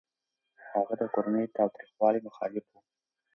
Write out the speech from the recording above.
هغه د کورني تاوتريخوالي مخالف و.